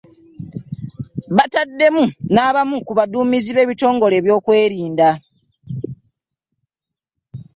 Bataddemu n'abamu ku baduumizi b'ebitongole by'ebyokwerinda